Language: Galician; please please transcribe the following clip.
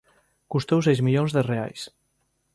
Custou seis millóns de reais.